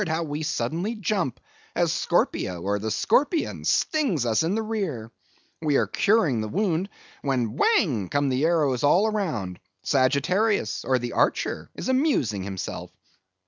how we suddenly jump, as Scorpio, or the Scorpion, stings us in the rear; we are curing the wound, when whang come the arrows all round; Sagittarius, or the Archer, is amusing himself.